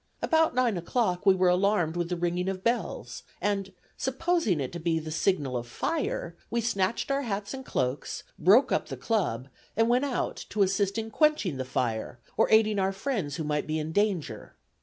About nine o'clock we were alarmed with the ringing of bells, and, supposing it to be the signal of fire, we snatched our hats and cloaks, broke up the club, and went out to assist in quenching the fire, or aiding our friends who might be in danger.